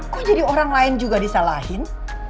kok jadi orang lain juga disalahin